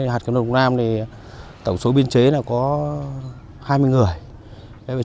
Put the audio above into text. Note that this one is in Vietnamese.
hạt cơm lục nam tổng số biên chế là có hai mươi người